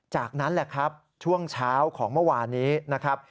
จากนั้นแหละครับช่วงเช้าของเมื่อวานนี้นะครับ